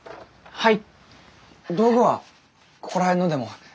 はい。